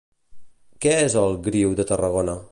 Què és el Griu de Tarragona?